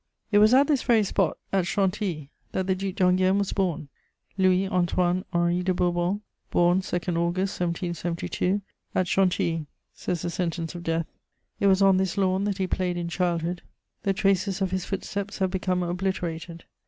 * It was at this very spot, at Chantilly, that the Duc d'Enghien was born: "Louis Antoine Henri de Bourbon, born 2 August 1772, at Chantilly," says the sentence of death. It was on this lawn that he played in childhood; the traces of his footsteps have become obliterated.